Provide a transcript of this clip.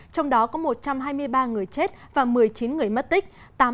trong đó có một trăm hai mươi ba người chết và một mươi chín người mất tích